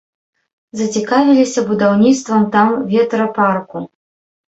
Зацікавіліся будаўніцтвам там ветрапарку.